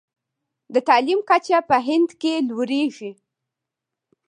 د تعلیم کچه په هند کې لوړیږي.